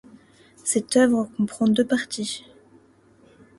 Cette œuvre comprend deux parties.